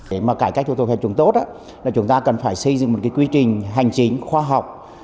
để mà cải cách thủ tục hành chúng tốt là chúng ta cần phải xây dựng một cái quy trình hành chính khoa học